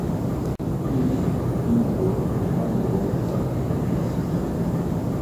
İdu idu do ar noğaşa mendaxtu.